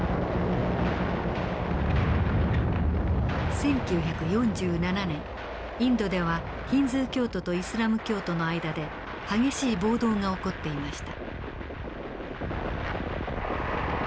１９４７年インドではヒンズー教徒とイスラム教徒の間で激しい暴動が起こっていました。